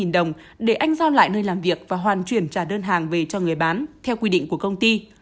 ba mươi đồng để anh giao lại nơi làm việc và hoàn chuyển trả đơn hàng về cho người bán theo quy định của công ty